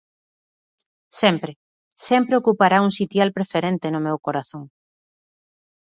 Sempre, sempre ocupará un sitial preferente no meu corazón.